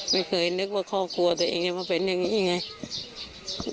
ไม่เคยนึกว่าครอบครัวตัวเองจะมาเป็นอย่างนี้ไง